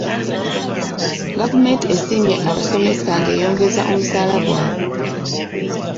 Gavumenti esiimye abasomesa nga eyongeza omusaala gwaabwe.